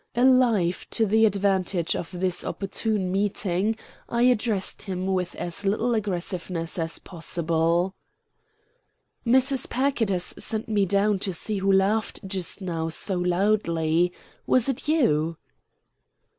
Alive to the advantage of this opportune meeting, I addressed him with as little aggressiveness as possible. "Mrs. Packard has sent me down to see who laughed just now so loudly. Was it you?"